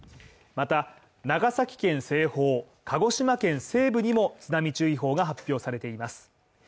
また、長崎県西方、鹿児島県西部にも津波注意報が発表されています。